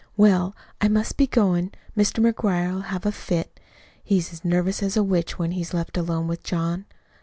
"Well, I must be goin'. Mr. McGuire'll have a fit. He's as nervous as a witch when he's left alone with John.